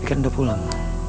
biba udah pulang